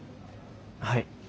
はい。